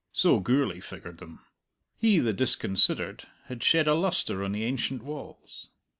So Gourlay figured them. He, the disconsidered, had shed a lustre on the ancient walls.